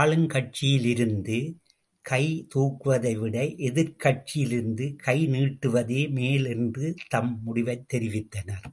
ஆளும் கட்சியில் இருந்து கைதூக்குவதைவிட எதிர்க் கட்சியில் இருந்து கை நீட்டுவதே மேல் என்று தம் முடிவைத் தெரிவித்தனர்.